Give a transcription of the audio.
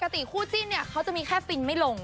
คู่จิ้นเนี่ยเขาจะมีแค่ฟินไม่ลง